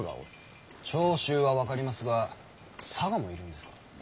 長州は分かりますが佐賀もいるのですか？